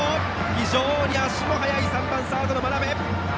非常に足も速い３番サード、眞邉！